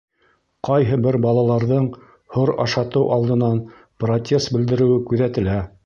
Ҡайһы бер балаларҙың һор ашатыу алдынан протест белдереүе күҙәтелә.